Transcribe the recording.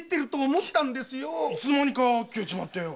いつのまにか消えちまって。